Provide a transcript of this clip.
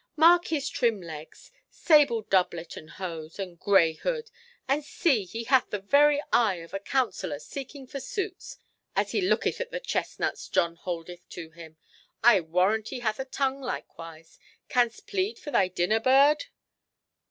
Mark his trim legs, sable doublet and hose, and grey hood—and see, he hath the very eye of a councillor seeking for suits, as he looketh at the chestnuts John holdeth to him. I warrant he hath a tongue likewise. Canst plead for thy dinner, bird?"